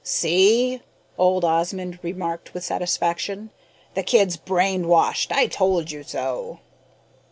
"See?" old Osmond remarked with satisfaction. "The kid's brain washed. I told you so."